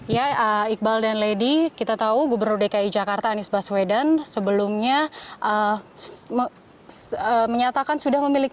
ya iqbal dan lady kita tahu gubernur dki jakarta anies baswedan sebelumnya menyatakan sudah memiliki